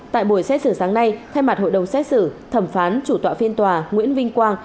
tại buổi xét xử sáng nay thay mặt hội đồng xét xử thẩm phán chủ tọa phiên tòa nguyễn vinh quang